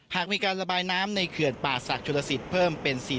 หากมีการระบายน้ำในเขื่อนป่าสศักดิ์ชุดละ๑๐เพิ่มเป็น